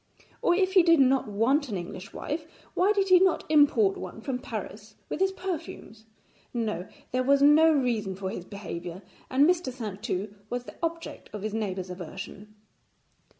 Or if he did not want an English wife, why did he not import one from Paris with his perfumes? No, there was no reason for his behaviour, and Mr. Saintou was the object of his neighbours' aversion.